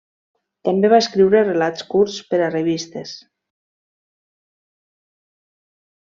També va escriure relats curts per a revistes.